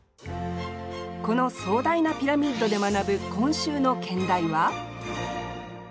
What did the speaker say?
この壮大なピラミッドで学ぶ今週の兼題は？